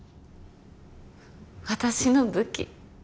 私の武器？